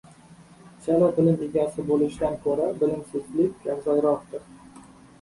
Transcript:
Chala bilim egasi bo‘lishdan ko‘ra, bilimsizlik afzalroqdir.